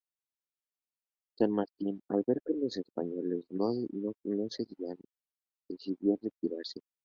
San Martín al ver que los españoles no cedían, decidió retirarse.